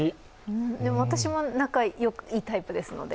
私も仲良いタイプですので。